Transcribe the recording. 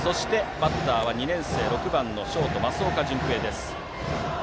バッターは２年生６番ショート、益岡潤平。